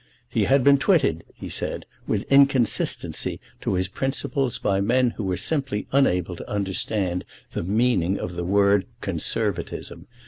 "He had been twitted," he said, "with inconsistency to his principles by men who were simply unable to understand the meaning of the word Conservatism.